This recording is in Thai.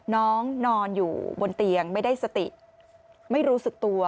น้องนอนอยู่บนเตียงไม่ได้สติไม่รู้สึกตัว